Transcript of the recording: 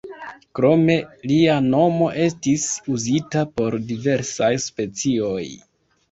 Krome lia nomo estis uzita por diversaj specioj.